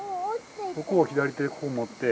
ここを左手でここ持って。